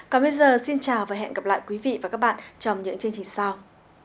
còn bây giờ xin chào và hẹn gặp lại quý vị và các bạn trong những chương trình sau